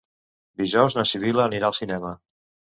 Dijous na Sibil·la anirà al cinema.